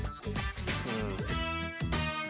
うん。